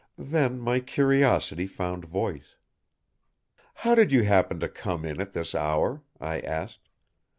Then my curiosity found voice. "How did you happen to come in at this hour?" I asked.